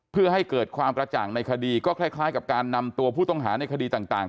เพื่อให้เกิดความกระจ่างในคดีก็คล้ายกับการนำตัวผู้ต้องหาในคดีต่าง